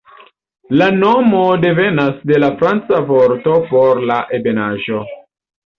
La nomo devenas de la franca vorto por 'la ebenaĵo'.